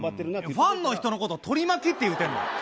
ファンの人のこと、取り巻きって言うてんの？